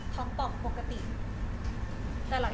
ซาร่าเป็นลูกสาว